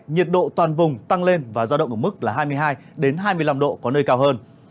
nhiệt độ toàn vùng tăng lên và giao động ở mức là hai mươi hai hai mươi năm độ có nơi cao hơn